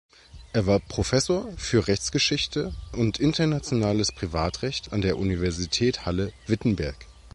Er war Professor für Rechtsgeschichte und Internationales Privatrecht an der Universität Halle-Wittenberg.